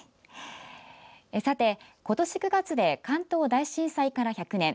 さて、今年９月で関東大震災から１００年。